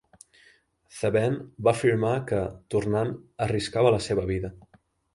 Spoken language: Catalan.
Thabane va afirmar que, tornant, arriscava la seva vida.